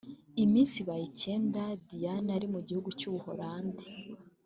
Iminsi ibaye icyenda Diane ari mu gihugu cy’u Buhorande